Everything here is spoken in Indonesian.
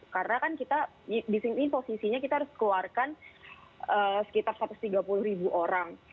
karena kan kita di sini posisinya kita harus keluarkan sekitar satu ratus tiga puluh ribu orang